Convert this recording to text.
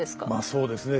そうですね。